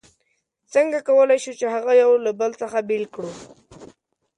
څنګه کولای شو چې هغه یو له بل څخه بېل کړو؟